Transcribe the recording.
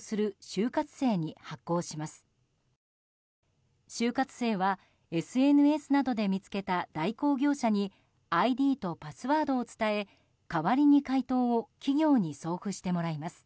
就活生はＳＮＳなどで見つけた代行業者にＩＤとパスワードを伝え代わりに回答を企業に送付してもらいます。